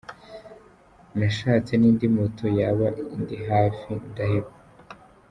Nashatse n’indi moto yaba indi hafi ndaheba.